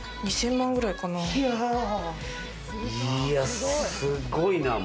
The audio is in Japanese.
いや、すごいな。